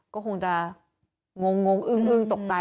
ก็คงจะงงอึ้งตกใจ